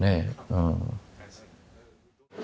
うん。